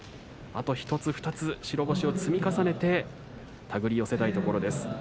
あと１つ、２つ白星を積み重ねて手繰り寄せたいところです。